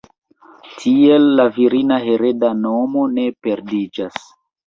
Tiel la virina hereda nomo ne perdiĝas.